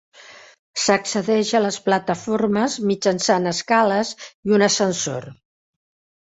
S'accedeix a les plataformes mitjançant escales i un ascensor.